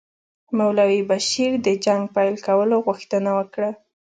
مولوي بشیر د جنګ پیل کولو غوښتنه وکړه.